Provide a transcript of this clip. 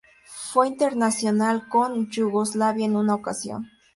Fue internacional con Yugoslavia en una ocasión.